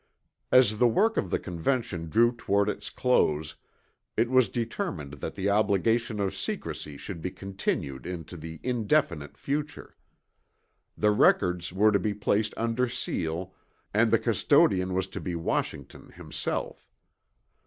As the work of the Convention drew toward its close, it was determined that the obligation of secrecy should be continued into the indefinite future. The records were to be placed under seal and the custodian was to be Washington himself.